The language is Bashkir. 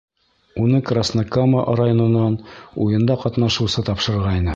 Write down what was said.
Уны Краснокама районынан уйында ҡатнашыусы тапшырғайны.